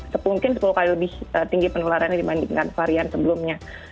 sepungkin sepuluh kali lebih tinggi penularannya dibandingkan varian sebelumnya